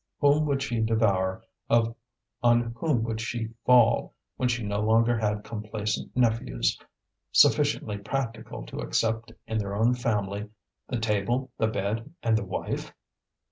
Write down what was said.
Whom would she devour, on whom would she fall, when she no longer had complaisant nephews, sufficiently practical to accept in their own family the table, the bed, and the wife?